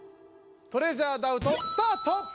トレジャーダウトスタート！